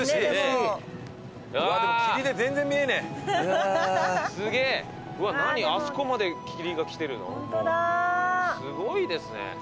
すごいですね。